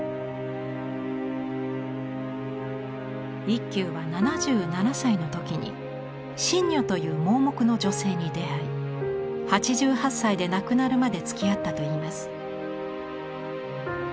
一休は７７歳の時に森女という盲目の女性に出会い８８歳で亡くなるまでつきあったといいます。